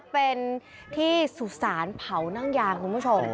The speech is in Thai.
เป็นที่สุสานเผานั่งยางคุณผู้ชม